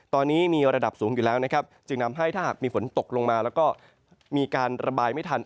ตอนนี้มีระดับสูงอยู่แล้วนะครับจึงนำให้ถ้าหากมีฝนตกลงมาแล้วก็มีการระบายไม่ทัน